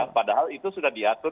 padahal itu sudah diatur